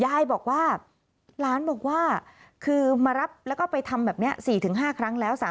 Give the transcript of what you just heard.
ยายบอกว่าหลานบอกว่าคือมารับแล้วก็ไปทำแบบนี้๔๕ครั้งแล้ว